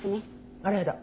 あらやだ！